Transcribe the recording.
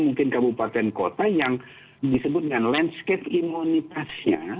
mungkin kabupaten kota yang disebut dengan landscape imunitasnya